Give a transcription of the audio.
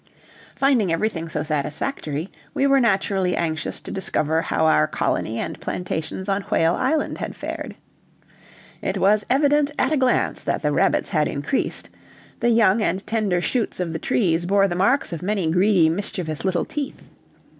Finding everything so satisfactory, we were naturally anxious to discover how our colony and plantations on Whale Island had fared. It was evident at a glance that the rabbits had increased; the young and tender shoots of the trees bore the marks of many greedy, mischievous little teeth.